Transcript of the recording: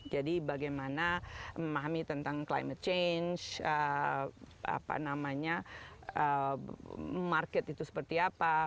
jadi bagaimana memahami tentang climate change apa namanya market itu seperti apa